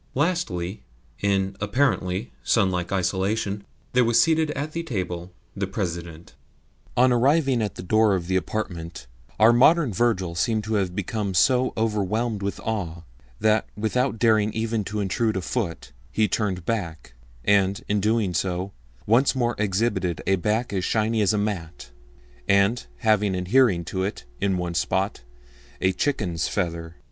Lastly, in (apparently) sunlike isolation, there was seated at the table the President. On arriving at the door of the apartment, our modern Virgil seemed to have become so overwhelmed with awe that, without daring even to intrude a foot, he turned back, and, in so doing, once more exhibited a back as shiny as a mat, and having adhering to it, in one spot, a chicken's feather.